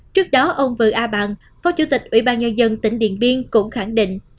trước đó ông vư a bằng phó chủ tịch ủy ban nhân dân tỉnh điện biên cũng khẳng định